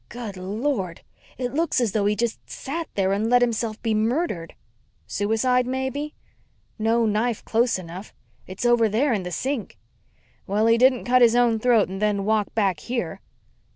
"Good lord! It looks as though he just sat there and let himself be murdered." "Suicide maybe?" "No knife close enough. It's over there in the sink." "Well, he didn't cut his own throat and then walk back here."